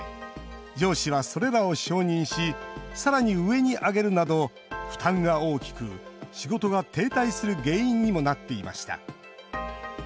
上司は、それらを承認しさらに上に上げるなど負担が大きく、仕事が停滞する原因にもなっていました。